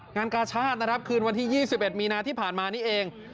งานกาชาตินะครับคืนวันที่๒๑มีนาที่ผ่านมานี่เอง